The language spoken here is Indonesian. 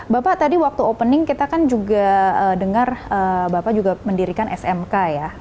bapak tadi waktu opening kita kan juga dengar bapak juga mendirikan smk ya